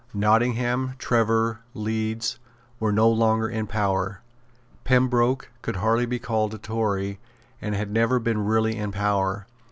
Nottingham, Trevor, Leeds, were no longer in power. Pembroke could hardly be called a Tory, and had never been really in power.